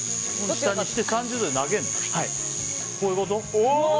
こういうこと？